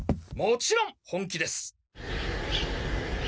もちろん本気です！